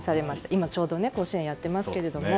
今、ちょうど甲子園やっていますけど。